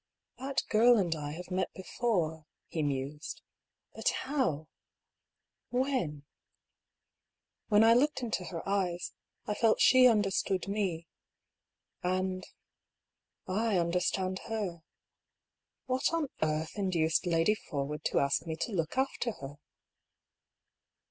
" That girl and I have met before," he mused. " But how ?— when ? When I looked into her eyes, I felt she understood me ... and — I understand her. What on earth induced Lady Forwood to ask me to look after her?"